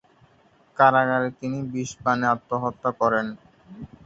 কারাগারে তিনি বিষপানে আত্মহত্যা করেন।